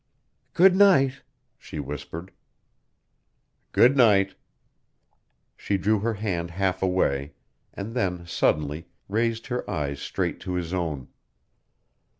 "Good night," she whispered. "Good night." She drew her hand half away, and then, suddenly, raised her eyes straight to his own.